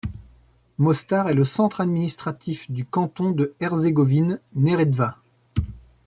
Mostar est le centre administratif du canton de Herzégovine-Neretva.